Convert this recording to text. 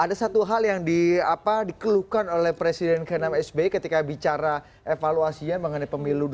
ada satu hal yang dikeluhkan oleh presiden ke enam sby ketika bicara evaluasinya mengenai pemilu dua ribu sembilan belas